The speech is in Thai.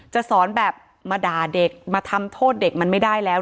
จะสอนแบบมาด่าเด็กมาทำโทษเด็กมันไม่ได้แล้ว